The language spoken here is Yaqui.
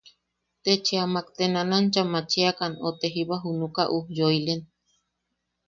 Te chea mak te nanancha maachiakan o te jiba junakaʼa ujyoilen.